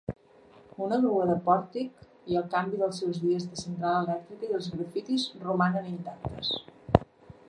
Una grua de pòrtic i el canvi dels seus dies de central elèctrica i els grafitis romanen intactes.